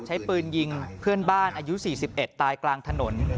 ใช้ปืนยิงเพื่อนบ้านอายุ๔๑ตายกลางถนน